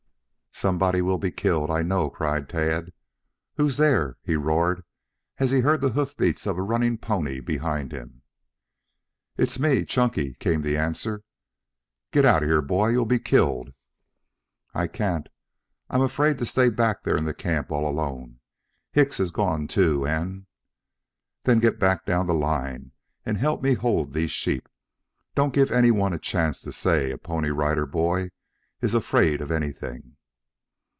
"Somebody will be killed, I know," cried Tad. "Who's there?" he roared, as he heard the hoof beats of a running pony behind him. "It's me, Chunky," came the answer. "Get out of here, boy. You will be killed." "I can't. I'm afraid to stay back there in the camp all alone. Hicks has gone too and " "Then get back down the line and help me to hold these sheep. Don't give anyone a chance to say a Pony Rider Boy is afraid of anything.